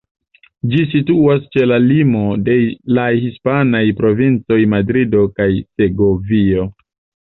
Ĝi situas ĉe la limo de la hispanaj provincoj Madrido kaj Segovio.